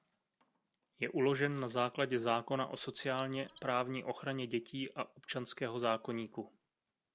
Je uložen na základě zákona o sociálně právní ochraně dětí a občanského zákoníku.